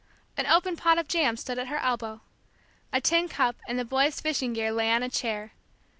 An opened pot of jam stood at her elbow. A tin cup and the boys' fishing gear lay on a chair.